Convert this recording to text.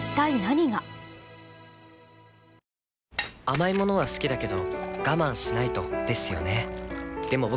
甘い物は好きだけど我慢しないとですよね